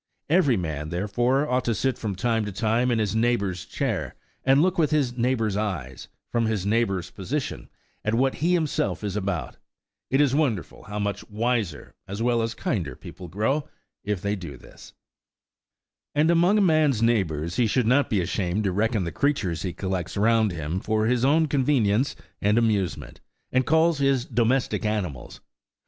Every man, therefore, ought to sit from time to time in his neighbour's chair, and look with his neighbour's eyes, from his neighbour's position, at what he himself is about. It is wonderful how much wiser, as well as kinder, people grow if they do this. And among a man's neighbours he should not be ashamed to reckon the creatures he collects round him for his own convenience and amusement, and calls his "domestic animals."